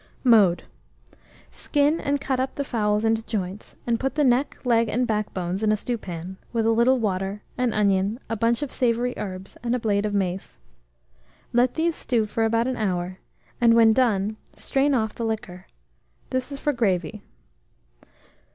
Mode. Skin and cut up the fowls into joints, and put the neck, leg, and backbones in a stewpan, with a little water, an onion, a bunch of savoury herbs, and a blade of mace; let these stew for about an hour, and, when done, strain off the liquor: this is for gravy.